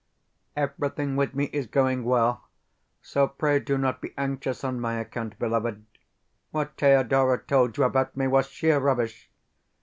Everything with me is going well; so pray do not be anxious on my account, beloved. What Thedora told you about me was sheer rubbish.